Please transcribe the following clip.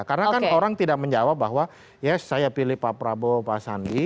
karena kan orang tidak menjawab bahwa ya saya pilih pak prabowo pak sandi